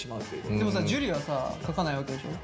でもさ樹はさ書かないわけでしょ？